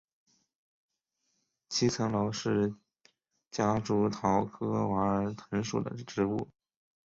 七层楼是夹竹桃科娃儿藤属的植物。